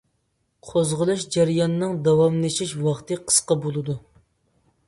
قوزغىلىش جەريانىنىڭ داۋاملىشىش ۋاقتى قىسقا بولىدۇ.